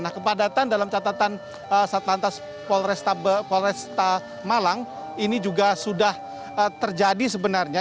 nah kepadatan dalam catatan satlantas polresta malang ini juga sudah terjadi sebenarnya